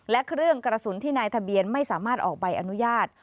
และเครื่องกระสุนที่นายทะเบียนไม่สามารถออกใบอนุญาต